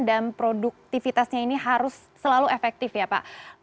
dan produktivitasnya ini harus selalu efektif ya pak